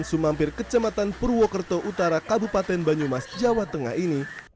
saya install terus ternyata banyak macam macam ini